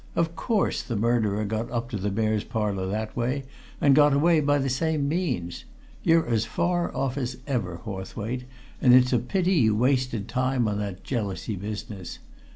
Of course the murderer got up to the Mayor's Parlour that way and got away by the same means. You're as far off as ever, Hawthwaite, and it's a pity you wasted time on that jealousy business.